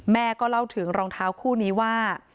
แม่ก็เล่าถึงรองเท้าคู่นี้ว่า